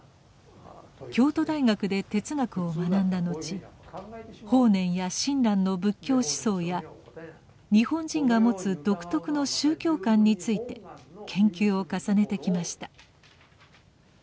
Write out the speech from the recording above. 京都大学で哲学を学んだのち法然や親鸞の仏教思想や日本人が持つ独特の宗教観について研究を重ねてきました。